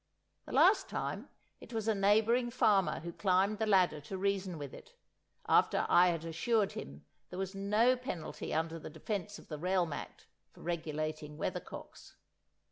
The last time, it was a neighbouring farmer who climbed the ladder to reason with it, after I had assured him there was no penalty under the Defence of the Realm Act for regulating weathercocks.